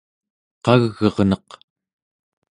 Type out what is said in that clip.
qag'erneq